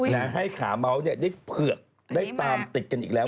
และให้ขาม้าวได้เผือกได้ตามติดกันอีกแล้ว